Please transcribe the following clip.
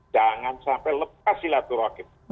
jangan sampai lepas silaturahim